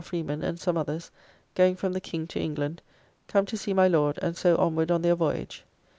Freeman and some others, going from the King to England, come to see my Lord and so onward on their voyage.